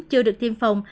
chưa được tiêm phòng